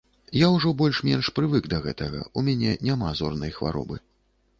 Я ўжо больш-менш прывык да гэтага, у мяне няма зорнай хваробы.